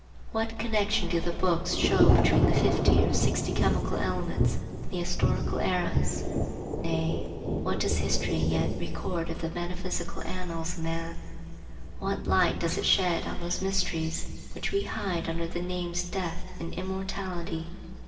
What connection do the books show between the fifty or sixty chemical elements and the historical eras? Nay, what does history yet record of the metaphysical annals of man? What light does it shed on those mysteries which we hide under the names Death and Immortality?